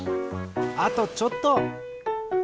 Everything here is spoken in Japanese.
あとちょっと。